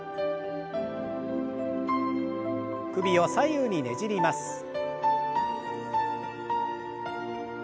首を左右にねじります。